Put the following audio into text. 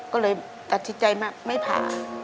ก็เลยตัดสิทธิใจมาไม่ผ่า